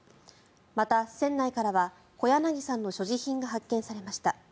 また、船内からは小柳さんの所持品が発見されました。